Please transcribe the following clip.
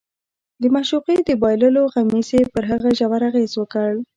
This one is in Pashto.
د معشوقې د بایللو غمېزې پر هغه ژور اغېز وکړ